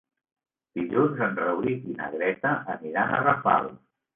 Dilluns en Rauric i na Greta aniran a Rafal.